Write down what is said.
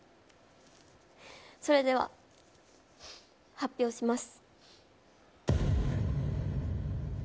それでは発表します。